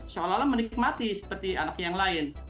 seolah olah menikmati seperti anak yang lain